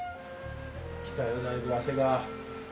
来たよだいぶ汗が。